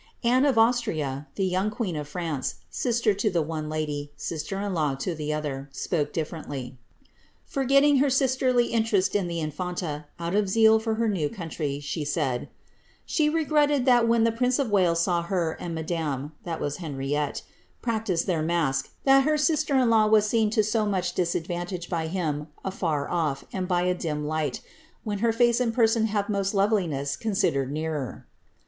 Anne of Austria, the young queen of France, (sister to the one lady, and sister* in law to the other,) spoke diflerently. Forgetting her sisterly interest in the infanta, out of zeal for her new country, she said, ^ She regretted that when the prince of Wales saw her and madame (Henriette) practise their masque, that her sister in law was seen to so much disadvantage by him, afar ofi^ and by a dim light, when her face and person have most loveliness considered nearer."